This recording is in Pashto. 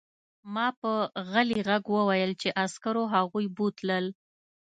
ما په غلي غږ وویل چې عسکرو هغوی بوتلل